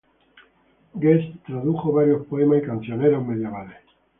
Guest tradujo varios poemas y cancioneros medievales.